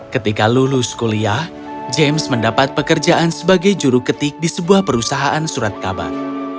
ketika lulus kuliah james mendapat pekerjaan sebagai juru ketik di sebuah perusahaan surat kabar